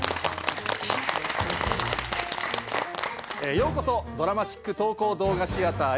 ようこそ『ドラマチック！投稿動画シアター』へ。